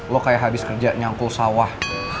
lo kayak habis kerja nyangkul sawah